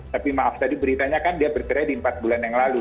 tapi maaf tadi beritanya kan dia bercerai di empat bulan yang lalu